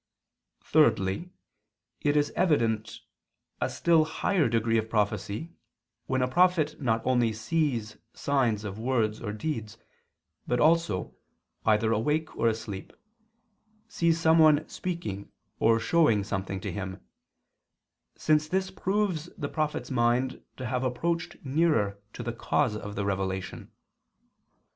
Thirdly, it is evidently a still higher degree of prophecy when a prophet not only sees signs of words or deeds, but also, either awake or asleep, sees someone speaking or showing something to him, since this proves the prophet's mind to have approached nearer to the cause of the revelation.